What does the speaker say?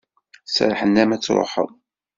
Serrḥen-am ad truḥeḍ?